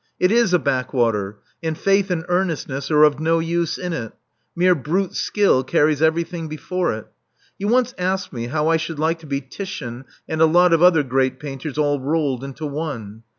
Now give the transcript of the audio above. It is a backwater; and faith and earnest ness are of no use in it : mere brute skill carries every thing before it. You once asked me how I should like to be Titian and a lot of other great painters all rolled into one.